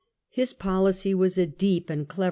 His policy was a deep and clever one.